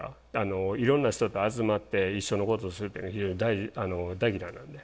いろんな人と集まって一緒のことするってのは非常に大嫌いなんで。